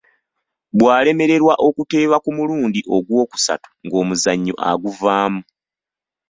Bw’alemererwa okuteeba ku mulundi ogwokusatu ng’omuzannyo aguvaamu.